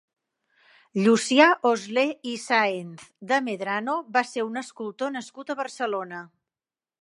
Llucià Oslé i Sáenz de Medrano va ser un escultor nascut a Barcelona.